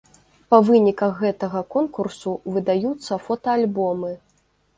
Па выніках гэтага конкурсу выдаюцца фотаальбомы.